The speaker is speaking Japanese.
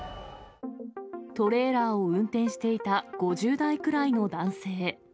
トレーラーを運転していた５０代くらいの男性。